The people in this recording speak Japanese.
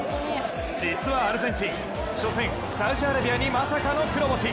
実はアルゼンチン、初戦、サウジアラビアにまさかの黒星。